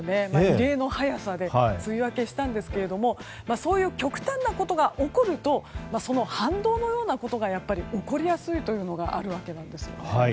異例の早さで梅雨明けしたんですがそういう極端なことが起こるとその反動のようなことがやっぱり起こりやすいというのがあるわけなんです。